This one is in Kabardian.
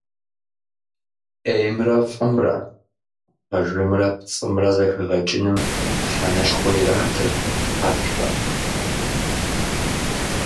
Ӏеймрэ фӏымрэ, пэжымрэ пцӏымрэ зэхэгъэкӏыным мыхьэнэшхуэ иратырт хьэтхэм.